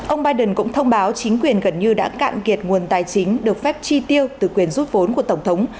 ông biden cũng thông báo chính quyền gần như đã cạn kiệt nguồn tài chính được phép chi tiêu từ quyền rút vốn của tổng thống